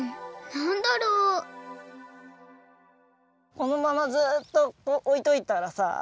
このままずっとおいといたらさ。